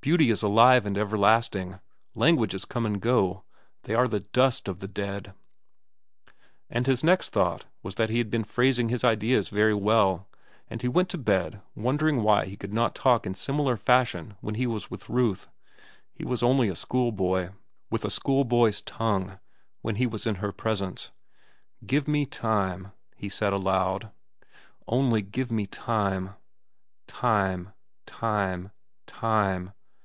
Beauty is alive and everlasting. Languages come and go. They are the dust of the dead." And his next thought was that he had been phrasing his ideas very well, and he went to bed wondering why he could not talk in similar fashion when he was with Ruth. He was only a schoolboy, with a schoolboy's tongue, when he was in her presence. "Give me time," he said aloud. "Only give me time." Time! Time! Time!